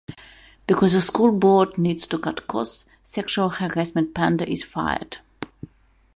Because the school board needs to cut costs, Sexual Harassment Panda is fired.